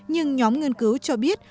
nhưng nhóm nghiên cứu cho biết